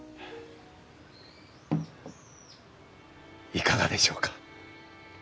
いかがでしょうか？